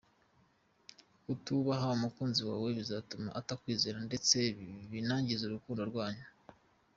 Kutubaha umukunzi wawe bizatuma atakwizera ndetse binangize urukundo rwanyu.